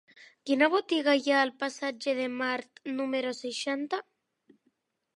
Quina botiga hi ha al passatge de Mart número seixanta?